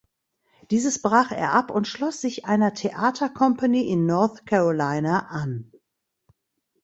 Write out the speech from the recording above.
Dieses brach er ab und schloss sich einer Theater Company in North Carolina an.